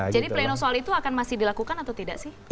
jadi plenosal itu akan masih dilakukan atau tidak sih